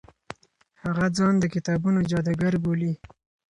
هغه ځان د کتابونو جادوګر بولي.